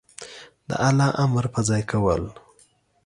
د الله امر په ځای کول